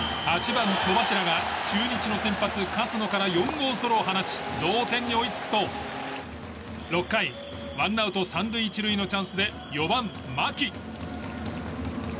８番、戸柱が中日の先発、勝野から４号ソロを放ち同点に追いつくと６回、ワンアウト３塁１塁のチャンスで４番、牧。